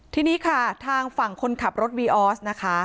ที่นี่ค่ะทางฝั่งคนขับรถวีออส